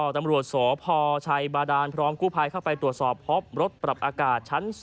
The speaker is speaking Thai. ตำรวจสพชัยบาดานพร้อมกู้ภัยเข้าไปตรวจสอบพบรถปรับอากาศชั้น๒